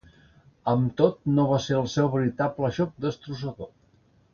Amb tot, no va ser el seu veritable joc destrossador.